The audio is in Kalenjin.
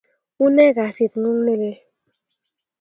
Une kasit ng'uung' ne lel?